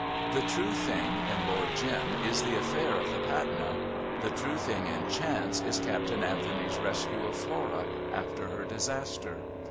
The true thing in Lord Jim is the affair of the Patna; the true thing in Chance is Captain Anthony's rescue of Flora after her disaster.